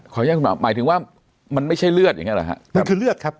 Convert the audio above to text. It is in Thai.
ขออย่างหน่อยหมายถึงว่ามันไม่ใช่เลือดอย่างนี้หรอครับ